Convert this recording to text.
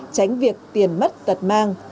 tránh việc tiền mất tật mang